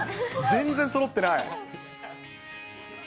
全然そろってない。